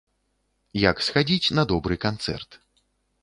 Як схадзіць на добры канцэрт.